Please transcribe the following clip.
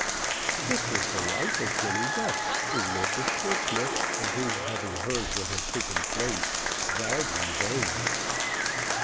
This was the wife of Jemmy Ducks, who lived at Portsmouth, and who, having heard what had taken place, vowed revenge.